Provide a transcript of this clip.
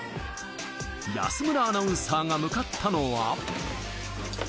安村アナウンサーが向かったのは。